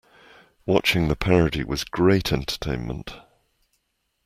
Watching the parody was great entertainment.